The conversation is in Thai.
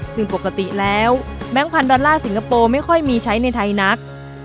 ซึ่งปกติแล้วแบงค์พันธอลลาร์สิงคโปร์ไม่ค่อยมีใช้ในไทยนัก